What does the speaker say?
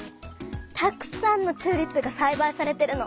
たくさんのチューリップがさいばいされてるの。